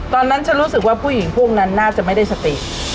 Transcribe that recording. ตอนนั้นฉันรู้สึกว่าผู้หญิงพวกนั้นน่าจะไม่ได้สติ